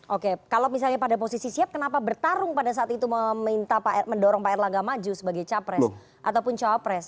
oke kalau misalnya pada posisi siap kenapa bertarung pada saat itu mendorong pak erlangga maju sebagai capres ataupun cawapres